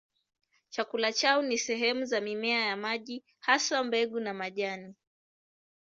Chakula chao ni sehemu za mimea ya maji, haswa mbegu na majani.